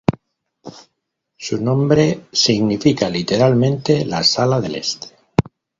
Su nombre significa literalmente "la sala del este".